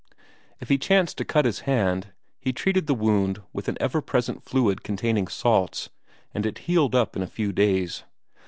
If he chanced to cut his hand, he treated the wound with an ever present fluid containing salts, and it healed up in a few days.